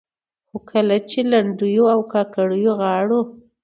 خو کله چې لنډيو او کاکړيو غاړو